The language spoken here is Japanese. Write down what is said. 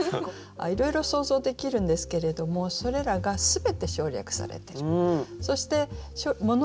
いろいろ想像できるんですけれどもそれらが全て省略されてる。